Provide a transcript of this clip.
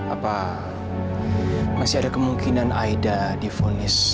apa masih ada kemungkinan aida difonis